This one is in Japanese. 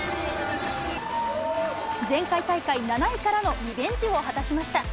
前回大会７位からのリベンジを果たしました。